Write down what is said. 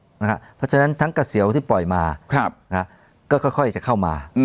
เพราะฉะนั้นทั้งเกษียวที่ปล่อยมาก็ค่อยจะเข้ามา